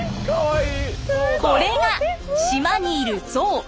これが島にいる象。